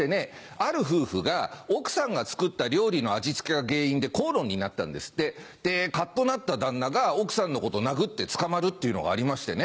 ある夫婦が奥さんが作った料理の味付けが原因で口論になったんですってでカッとなった旦那が奥さんのこと殴って捕まるっていうのがありましてね。